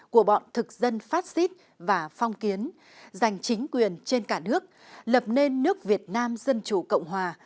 của bọn thực dân phát xít và phong kiến giành chính quyền trên cả nước lập nên nước việt nam dân chủ cộng hòa